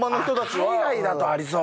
海外だとありそうだね。